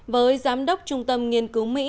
với giám đốc trung tâm nghiên cứu mỹ